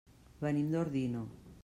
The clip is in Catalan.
Venim d'Ordino.